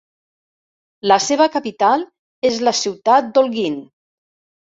La seva capital és la ciutat d'Holguín.